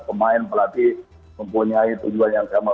pemain pelatih mempunyai tujuan yang sama